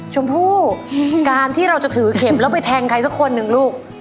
ชมพู่การที่เราจะถือเข็มแล้วไปแทงใครสักคนหนึ่งลูก